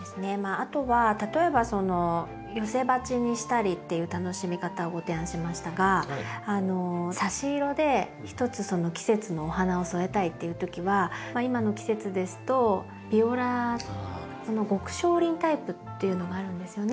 あとは例えば寄せ鉢にしたりっていう楽しみ方をご提案しましたが差し色でひとつその季節のお花を添えたいっていうときは今の季節ですとビオラの極小輪タイプっていうのがあるんですよね。